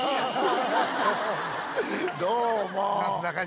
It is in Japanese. どうも。